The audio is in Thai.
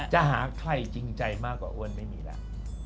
จะหาใครจริงใจมากกว่าอ้วนไม่มีแล้ว